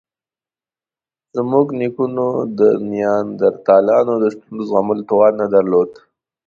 زموږ نیکونو د نیاندرتالانو د شتون د زغملو توان نه درلود.